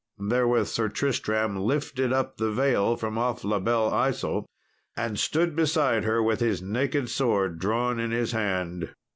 Therewith Sir Tristram lifted up the veil from off La Belle Isault, and stood beside her with his naked sword drawn in his hand.